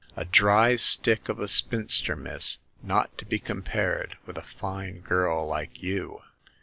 A dry stick of a spinster, miss ; not to be compared with a fine girl like you."